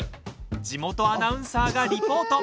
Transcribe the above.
地元アナウンサーがリポート。